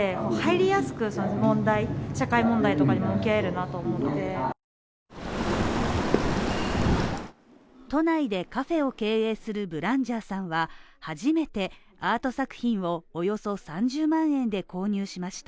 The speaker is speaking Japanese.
長坂さんの作品を鑑賞した人は都内でカフェを経営するブランジャーさんは初めてアート作品をおよそ３０万円で購入しました。